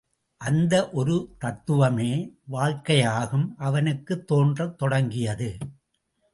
அந்த ஒரு தத்துவமே வாழ்க்கையாகவும் அவனுக்குத் தோன்றத் தொடங்கியது.